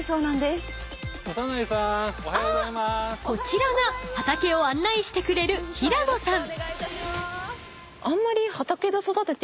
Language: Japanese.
［こちらが畑を案内してくれる平野さん］